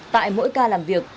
tại mỗi ca làm việc